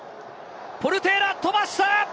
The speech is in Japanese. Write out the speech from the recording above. ポルテーラ、飛ばした！